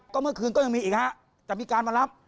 ก็เมื่อคืนก็ยังมีอีกฮะจะมีการมารับ